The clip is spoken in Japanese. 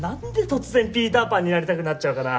突然ピーターパンになりたくなっちゃうかな？